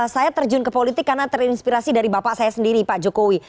saya terjun ke politik karena terinspirasi dari bapak saya sendiri pak jokowi